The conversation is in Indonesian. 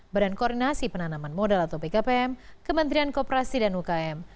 badan koordinasi penanaman modal atau bkpm kementerian kooperasi dan ukm